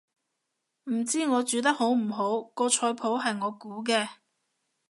唔知我煮得好唔好，個菜譜係我估嘅